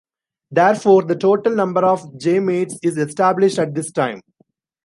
Therefore, the total number of gametes is established at this time.